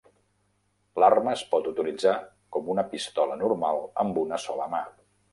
L'arma es pot utilitzar com una pistola normal, amb una sola mà.